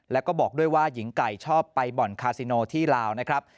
แล้วก็บอกด้วยว่าหญิงไก่ชอบไปบ่อนคาซิโนที่ลาวนะครับ